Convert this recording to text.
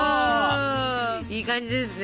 いい感じですね！